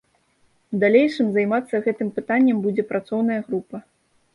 У далейшым займацца гэтым пытаннем будзе працоўная група.